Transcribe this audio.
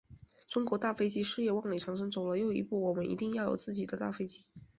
中国大飞机事业万里长征走了又一步，我们一定要有自己的大飞机。